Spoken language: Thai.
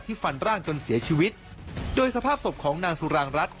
ความหายใจพยาการอย่างไหน